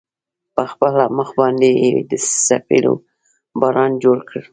په خپل مخ باندې يې د څپېړو باران جوړ کړ.